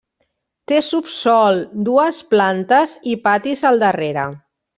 Té subsòl, dues plantes i patis al darrere.